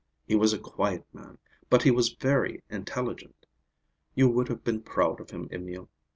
He was a quiet man, but he was very intelligent. You would have been proud of him, Emil."